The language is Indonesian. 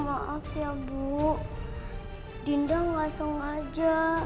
maaf ya bu dinda gak sengaja